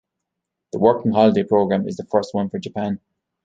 The working holiday programme is the first one for Japan.